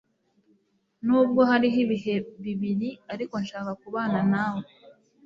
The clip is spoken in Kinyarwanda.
Nubwo Hariho ibihe bibiri ariko nshaka kubana nawe,